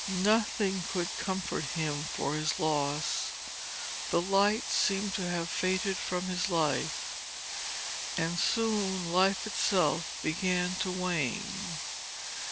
Nothing could comfort him for his loss, the light seemed to have faded from his life, and soon life itself began to wane.